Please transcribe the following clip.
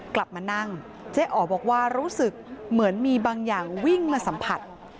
กลับมานั่งเจ๊อ๋อบอกว่ารู้สึกเหมือนมีบางอย่างวิ่งมาสัมผัส